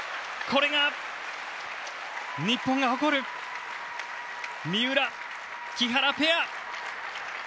これが日本が誇る三浦・木原ペア。